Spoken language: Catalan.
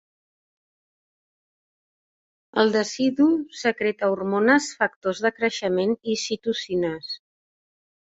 El decidu secreta hormones, factors de creixement i citocines.